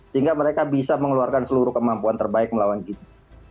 sehingga mereka bisa mengeluarkan seluruh kemampuan terbaik melawan kita